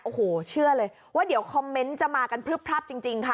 โอ้โหเชื่อเลยว่าเดี๋ยวคอมเมนต์จะมากันพลึบพลับจริงค่ะ